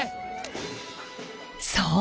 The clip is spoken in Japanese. そう！